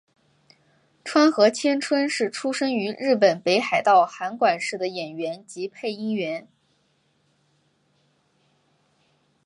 川合千春是出身于日本北海道函馆市的演员及配音员。